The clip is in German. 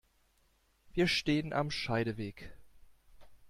Wir stehen am Scheideweg.